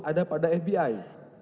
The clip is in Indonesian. ada pada fbi